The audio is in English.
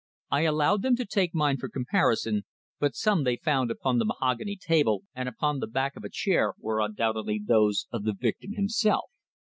I allowed them to take mine for comparison, but some they found upon the mahogany table and upon the back of a chair were undoubtedly those of the victim herself.